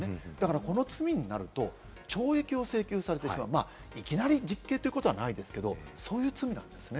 この罪になると、懲役を請求されてしまう、いきなり実刑ということはないんですけれども、そういう罪なんですね。